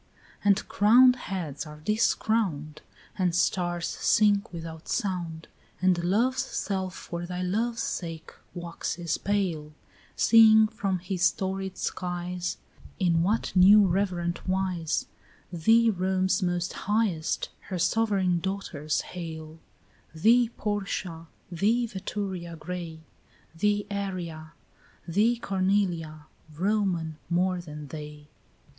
15 And crowned heads are discrowned, And stars sink without sound, And love's self for thy love's sake waxes pale Seeing from his storied skies In what new reverent wise Thee Rome's most highest, her sovereign daughters, hail; Thee Portia, thee Veturia grey, Thee Arria, thee Cornelia, Roman more than they.